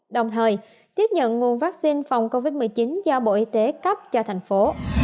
đồng thời tiếp nhận nguồn vaccine phòng covid một mươi chín do bộ y tế cấp cho thành phố